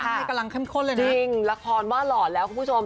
นี่กำลังเข้มข้นเลยนะจริงละครว่าหล่อแล้วคุณผู้ชม